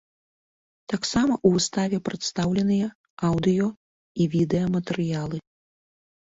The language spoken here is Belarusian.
Таксама ў выставе прадстаўленыя аўдыё і відэаматэрыялы.